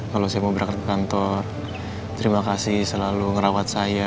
kalau saya mau berangkat ke kantor terima kasih selalu ngerawat saya